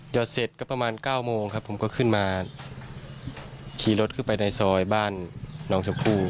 เสร็จก็ประมาณ๙โมงครับผมก็ขึ้นมาขี่รถเข้าไปในซอยบ้านน้องชมพู่